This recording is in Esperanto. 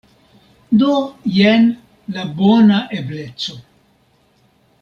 Do jen la bona ebleco!